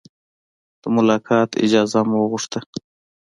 د ملاقات اجازه مو وغوښته.